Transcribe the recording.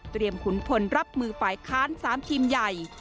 เตรียมขุนผลรับมือปลายค้าน๓ทีมใหญ่